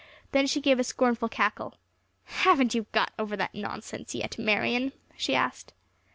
Then she gave a scornful cackle. "Haven't you gotten over that nonsense yet, Marian?" she asked.